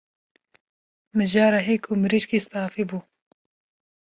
Mijara hêk û mirîşkê safî bû